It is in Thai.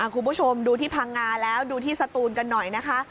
คุณผู้ชมดูที่พังงาแล้วดูที่สตูนกันหน่อยนะคะ